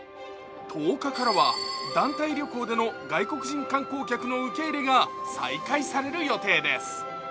１０日からは団体旅行での外国人観光客の受け入れが再開される予定です。